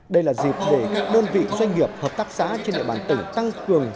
đây là dịp để đơn vị doanh nghiệp hợp tác xá trên địa bàn tỉnh tăng cường